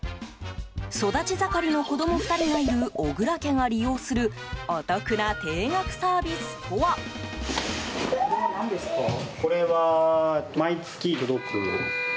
育ち盛りの子供２人がいる小倉家が利用するお得な定額サービスとは。